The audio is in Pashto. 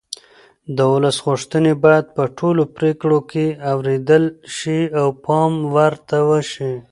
د ولس غوښتنې باید په ټولو پرېکړو کې اورېدل شي او پام ورته وشي